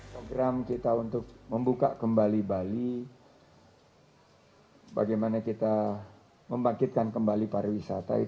program kita untuk membuka kembali bali bagaimana kita membangkitkan kembali pariwisata